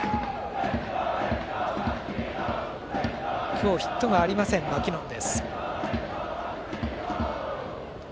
今日ヒットがありませんマキノン。